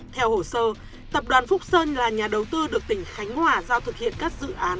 theo hồ sơ tập đoàn phúc sơn là nhà đầu tư được tỉnh khánh hòa giao thực hiện các dự án